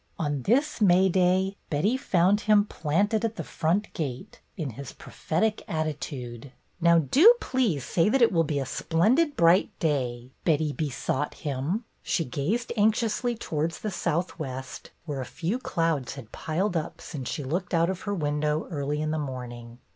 On this May day Betty found him planted at the front gate, in his prophetic attitude. ''Now do please say that it will be a splen did bright day,'' Betty besought him. She gazed anxiously towards the southwest, where a few clouds had piled up since she looked out of her window early in the morning.